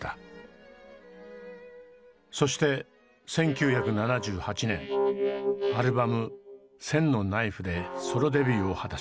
そして１９７８年アルバム「千のナイフ」でソロデビューを果たします。